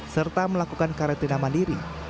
serta melakukan karantina mandiri